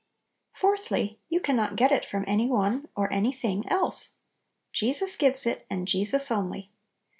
Fourthly, you can not get it from any one or any thing else. Jesus gives it, and Jesus only.